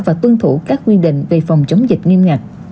và tuân thủ các quy định về phòng chống dịch nghiêm ngặt